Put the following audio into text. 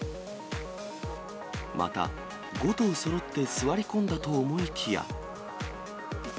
また、５頭そろって座り込んだと思いきや。